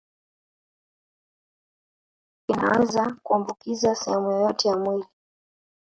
Kifua kikuu kinaweza kuambukiza sehemu yoyote ya mwili